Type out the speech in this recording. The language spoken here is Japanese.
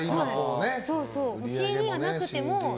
ＣＤがなくても。